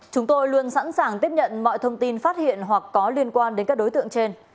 chúng tôi luôn sẵn sàng tiếp nhận mọi thông tin phát hiện hoặc có liên quan đến các đối tượng trên